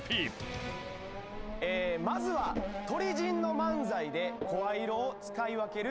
まずは鳥人の漫才で声色を使い分ける